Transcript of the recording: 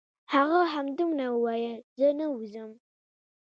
هغه همدومره وویل: ځه زه نه وځم.